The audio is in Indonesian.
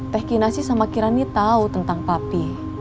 teh kinasi sama kirani tau tentang papih